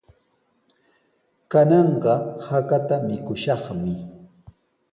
Kananqa hakata mikushaqmi.